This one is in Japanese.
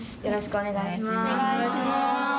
よろしくお願いします。